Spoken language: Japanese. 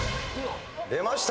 出ました。